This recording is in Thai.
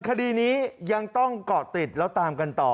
คดีนี้ยังต้องเกาะติดแล้วตามกันต่อ